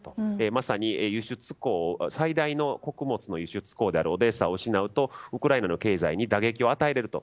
まさに最大の穀物の輸出港であるオデーサを失うとウクライナの経済に打撃を与えられると。